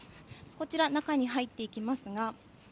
こちら、中に入っていきますが。